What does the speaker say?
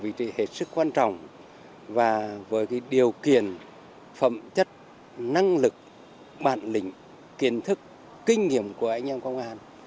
với cái vai trò vị trí hết sức quan trọng và với cái điều kiện phẩm chất năng lực bản lĩnh kiến thức kinh nghiệm của anh em công an